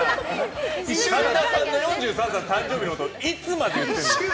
神田さんの４３歳の誕生日のこといつまで言ってんだよ！